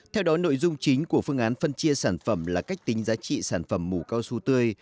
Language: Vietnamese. theo đó nội dung chính của phương án phân chia sản phẩm là cách tính giá trị sản phẩm mù cao su tươi